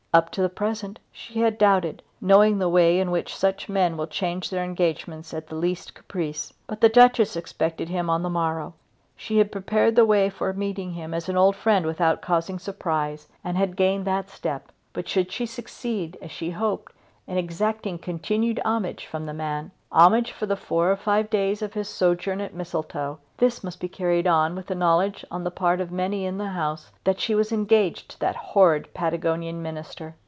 Up to the present she had doubted, knowing the way in which such men will change their engagements at the least caprice. But the Duchess expected him on the morrow. She had prepared the way for meeting him as an old friend without causing surprise, and had gained that step. But should she succeed, as she hoped, in exacting continued homage from the man, homage for the four or five days of his sojourn at Mistletoe, this must be carried on with the knowledge on the part of many in the house that she was engaged to that horrid Patagonian Minister!